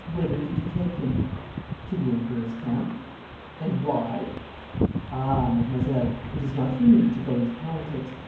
Whither did you take him?' 'To the Emperor's camp.' 'And why?' 'Ah, mademoiselle, it is not for me to go into politics.